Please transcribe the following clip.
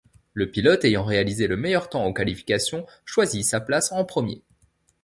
Le pilote ayant réalisé le meilleur temps aux qualifications choisit sa place en premier.